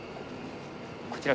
こちら。